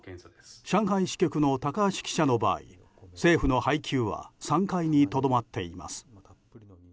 上海支局の高橋記者の場合政府の配給は３回にとどまっています。